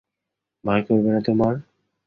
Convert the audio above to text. ভয় করবে না তোমার?